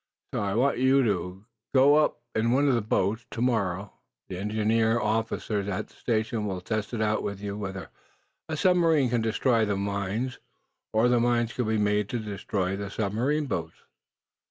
"So I want you to go up in one of the boats. To morrow the engineer officers at that station will test it out with you whether a submarine can destroy the mines, or the mines could be made to destroy the submarine boats."